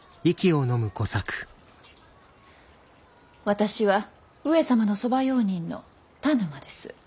私は上様の側用人の田沼です。